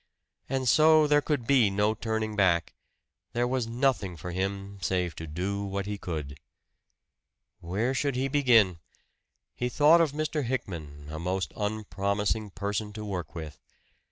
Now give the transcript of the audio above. And so there could be no turning back there was nothing for him save to do what he could. Where should he begin? He thought of Mr. Hickman a most unpromising person to work with.